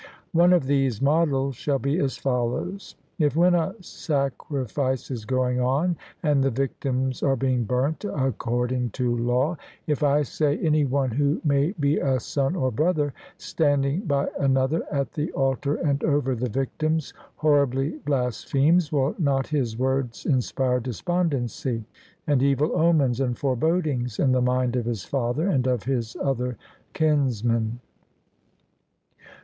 One of these models shall be as follows: If when a sacrifice is going on, and the victims are being burnt according to law if, I say, any one who may be a son or brother, standing by another at the altar and over the victims, horribly blasphemes, will not his words inspire despondency and evil omens and forebodings in the mind of his father and of his other kinsmen?